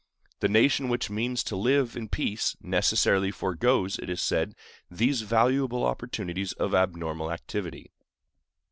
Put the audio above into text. The nation which means to live in peace necessarily foregoes, it is said, these valuable opportunities of abnormal activity.